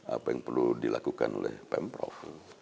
apa yang perlu dilakukan oleh pm prof